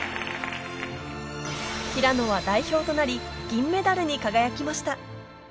平野は代表となりに輝きました